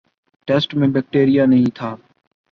test میں bacteria نہیں تھا